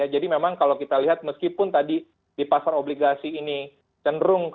jadi memang kalau kita lihat meskipun tadi di pasar obligasi ini cenderung keluar